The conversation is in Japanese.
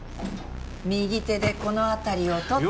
右手でこの辺りを取って。